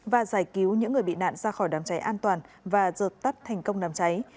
và giải cứu những người bị nạn ra khỏi nám cháy an toàn và dợt tắt thành công nám cháy